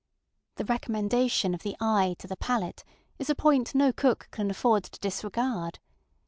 The recommendation of the eye to the palate is a point no cook can afford to disregard.